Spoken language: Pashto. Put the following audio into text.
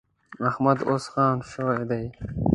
احمد اوس خان شوی دی.